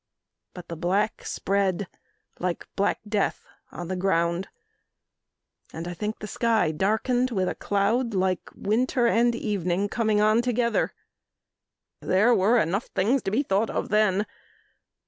But the black spread like black death on the ground, And I think the sky darkened with a cloud Like winter and evening coming on together. There were enough things to be thought of then.